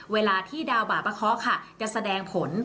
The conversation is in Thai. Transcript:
เวลาที่ดาวบาปะเคาะค่ะจะแสดงผล